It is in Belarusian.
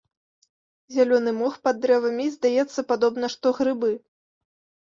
Зялёны мох пад дрэвамі і, здаецца, падобна што грыбы.